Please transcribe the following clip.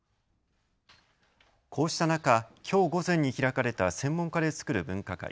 こうした中、きょう午前に開かれた専門家で作る分科会。